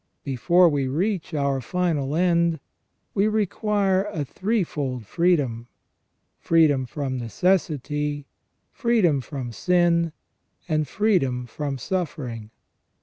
Before we reach our final end we require a threefold freedom : freedom from necessity, freedom from sin, and freedom from suffering.